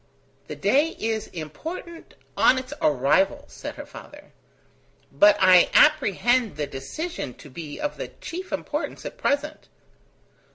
"The day is important on its arrival," said her father; "but I apprehend the decision to be of the chief importance at present.